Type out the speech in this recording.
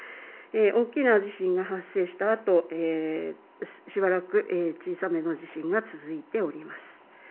大きな地震が発生したあとしばらく小さめの地震が続いております。